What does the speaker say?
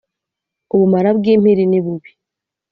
ubumara bw’ impiri ni bubi